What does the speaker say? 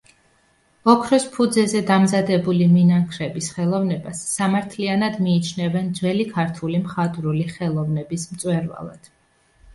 ოქროს ფუძეზე დამზადებული მინანქრების ხელოვნებას სამართლიანად მიიჩნევენ ძველი ქართული მხატვრული ხელოვნების მწვერვალად.